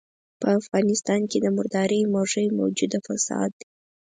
په افغانستان کې د مردارۍ موږی موجوده فساد دی.